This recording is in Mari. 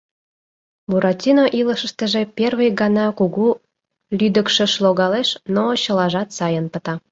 Буратино илышыштыже первый гана кугу лӱдыкшыш логалеш, но чылажат сайын пыта